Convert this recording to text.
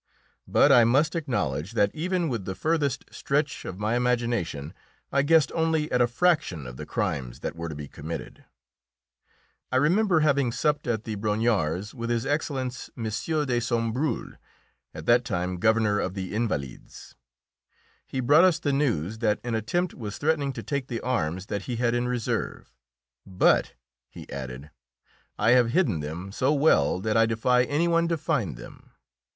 But I must acknowledge that even with the furthest stretch of my imagination I guessed only at a fraction of the crimes that were to be committed. I remember having supped at the Brongniarts's with His Excellence M. de Sombreuil, at that time governor of the Invalides. He brought us the news that an attempt was threatening to take the arms that he had in reserve, "But," he added, "I have hidden them so well that I defy any one to find them."